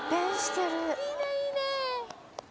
いいねいいね。